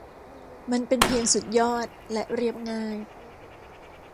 มันเป็นเพียงสุดยอดและเรียบง่าย